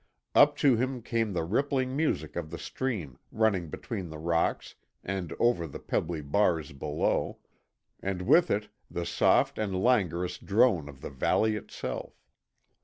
Up to him came the rippling music of the stream running between the rocks and over the pebbly bars below, and with it the soft and languorous drone of the valley itself.